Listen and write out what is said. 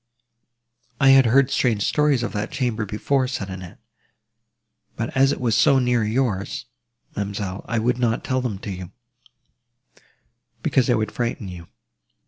"I had heard strange stories of that chamber before," said Annette: "but as it was so near yours, ma'amselle, I would not tell them to you, because they would frighten you.